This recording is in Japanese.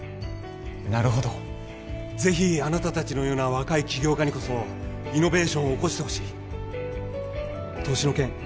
なるほどぜひあなた達のような若い起業家にこそイノベーションを起こしてほしい投資の件